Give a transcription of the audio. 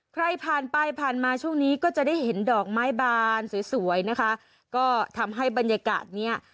ใครผ่านไปผ่านมาช่วงนี้ก็จะได้เห็นดอกไม้บานสวยสวยนะคะก็ทำให้บรรยากาศเนี้ย